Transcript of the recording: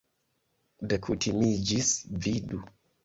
Dekutimiĝis, vidu!